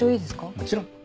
もちろん。